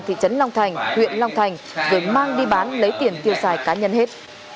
thị trấn long thành huyện long thành rồi mang đi bán lấy tiền tiêu xài cá nhân hết